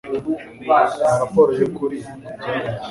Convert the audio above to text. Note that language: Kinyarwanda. Mpa raporo yukuri kubyabaye.